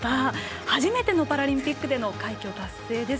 初めてのパラリンピックでの快挙達成です。